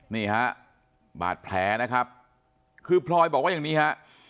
นี่ฮะบาดแผลนะครับคือพลอยบอกว่าอย่างนี้ฮะ